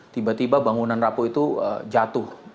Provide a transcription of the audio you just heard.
tiba tiba bangunan rapuh itu jatuh